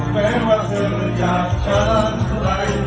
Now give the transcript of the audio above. แม้ว่าเธออยากเชิญไป